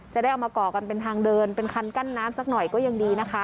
จะได้เอามาก่อกันเป็นทางเดินเป็นคันกั้นน้ำสักหน่อยก็ยังดีนะคะ